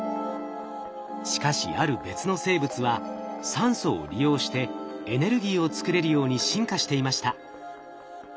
しかしある別の生物は酸素を利用してエネルギーを作れるように進化していました。